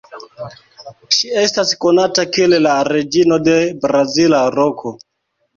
Ŝi estas konata kiel la "Reĝino de Brazila Roko".